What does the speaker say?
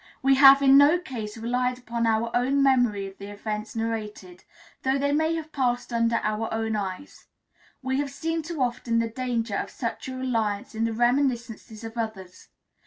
We have in no case relied upon our own memory of the events narrated, though they may have passed under our own eyes; we have seen too often the danger of such a reliance in the reminiscences of others.